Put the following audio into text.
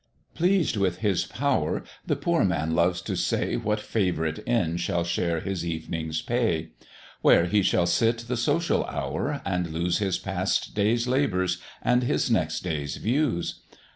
Pleased with his power, the poor man loves to say What favourite Inn shall share his evening's pay; Where he shall sit the social hour, and lose His past day's labours and his next day's views.